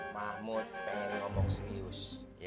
mahmud pengen ngomong serius